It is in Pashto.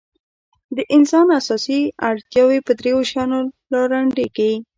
د انسان اساسي اړتیاوې په درېو شیانو رالنډېږي.